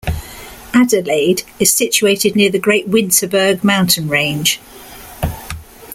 Adelaide is situated near the Great Winterberg Mountain range.